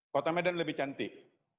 kota medan lebih cantik